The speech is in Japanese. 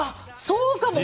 そうかも。